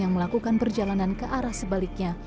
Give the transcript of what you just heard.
yang melakukan perjalanan ke arah sebaliknya